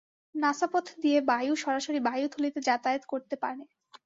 নাসাপথ দিয়ে বায়ু সরাসরি বায়ুথলিতে যাতায়াত করতে পারে।